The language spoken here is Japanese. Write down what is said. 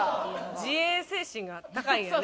自衛精神が高いんやね。